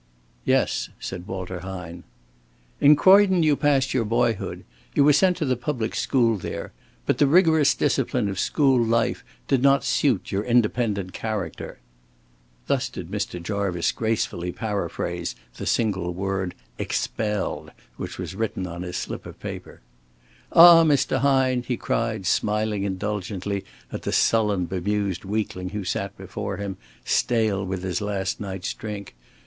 "Yes," said Walter Hine. "In Croydon you passed your boyhood. You were sent to the public school there. But the rigorous discipline of school life did not suit your independent character." Thus did Mr. Jarvice gracefully paraphrase the single word "expelled" which was written on his slip of paper. "Ah, Mr. Hine," he cried, smiling indulgently at the sullen, bemused weakling who sat before him, stale with his last night's drink.